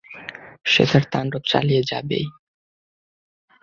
সে তার তান্ডব চালিয়ে যাবেই।